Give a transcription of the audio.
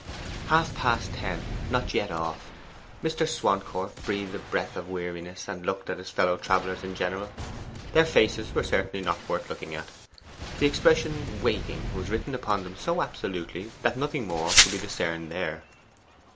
Half past ten: not yet off. Mr. Swancourt breathed a breath of weariness, and looked at his fellow travellers in general. Their faces were certainly not worth looking at. The expression 'Waiting' was written upon them so absolutely that nothing more could be discerned there.